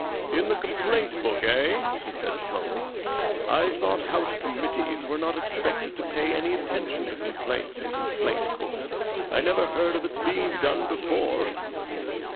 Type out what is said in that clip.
"In the complaint book, eh?" he said, slowly. "I thought house committees were not expected to pay any attention to complaints in complaint books. I never heard of its being done before."